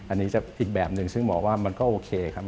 อันนี้จะอีกแบบหนึ่งซึ่งหมอว่ามันก็โอเคครับ